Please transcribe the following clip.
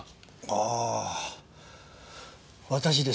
ああ私ですか？